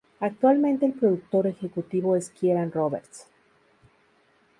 Actualmente el productor ejecutivo es Kieran Roberts.